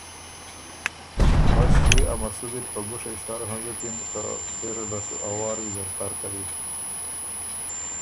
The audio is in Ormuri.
بس ݭيې ا مسُودی ل په ګُوشئ سر هنزُکِن که سېره له سو ا وار ویزر تر کوی۔